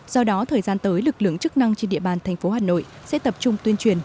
do đó thời gian tới lực lượng chức năng trên địa bàn thành phố hà nội sẽ tập trung tuyên truyền